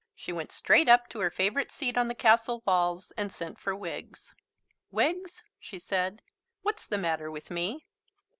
She went straight up to her favourite seat on the castle walls and sent for Wiggs. "Wiggs," she said, "what's the matter with me?"